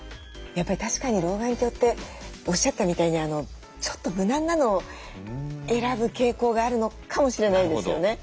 やっぱり確かに老眼鏡っておっしゃったみたいにちょっと無難なのを選ぶ傾向があるのかもしれないですよね。